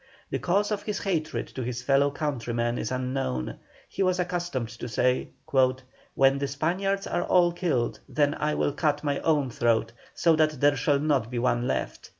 The cause of his hatred to his fellow countrymen is unknown. He was accustomed to say: "When the Spaniards are all killed then I will cut my own throat, so that there shall not be one left."